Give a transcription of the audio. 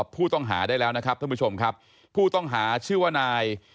ผู้ต้องหาได้แล้วผู้ต้องหาชื่อว่านาย